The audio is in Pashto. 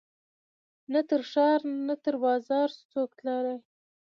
نه تر ښار نه تر بازاره سو څوک تللای